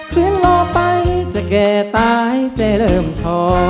คืนรอไปจะแก่ตายจะเริ่มทอ